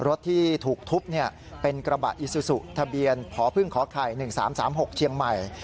รถที่ถูกทุบเป็นกระบะอิซูซูทะเบียนพพไข่๑๓๓๖เชียงใหม่